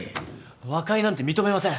和解なんて認めません。